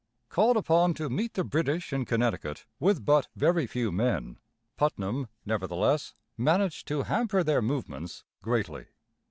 Called upon to meet the British in Connecticut, with but very few men, Putnam nevertheless managed to hamper their movements greatly.